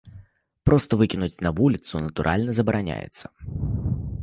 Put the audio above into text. Проста выкінуць на вуліцу, натуральна, забараняецца.